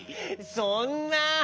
そんな！